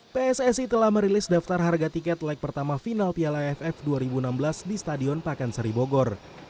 pssi telah merilis daftar harga tiket leg pertama final piala aff dua ribu enam belas di stadion pakansari bogor